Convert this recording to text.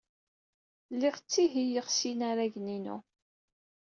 Lliɣ ttihiyeɣ s yinaragen-inu.